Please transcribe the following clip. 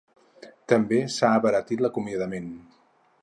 També s’ha abaratit l’acomiadament.